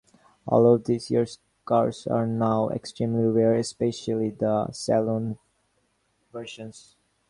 All of these early cars are now extremely rare, especially the saloon versions.